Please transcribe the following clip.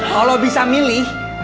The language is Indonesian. kalau bisa milih